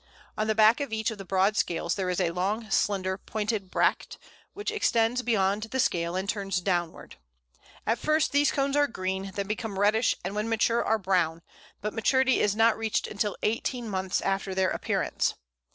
On the back of each of the broad scales there is a long, slender, pointed bract, which extends beyond the scale and turns downward. At first these cones are green, then become reddish, and when mature are brown; but maturity is not reached until eighteen months after their appearance.